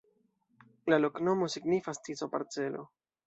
La loknomo signifas: Tiso-parcelo.